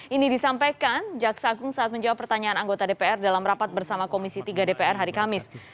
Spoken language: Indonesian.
ini disampaikan jaksa agung saat menjawab pertanyaan anggota dpr dalam rapat bersama komisi tiga dpr hari kamis